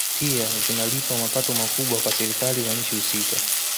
Pia zinalipa mapato makubwa kwa Serikali za nchi husika